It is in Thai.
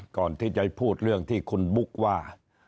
ก่อนที่จะพูดเรื่องที่คุณบุ๊กว่า